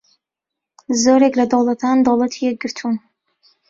زۆرێک لە دەوڵەتان دەوڵەتی یەکگرتوون